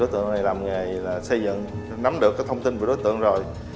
đối tượng này làm nghề là xây dựng nắm được cái thông tin của đối tượng rồi